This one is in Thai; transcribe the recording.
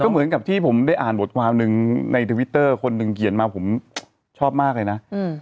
เหมือนกับที่ผมได้อ่านบทความหนึ่งในทวิตเตอร์คนหนึ่งเขียนมาผมชอบมากเลยนะ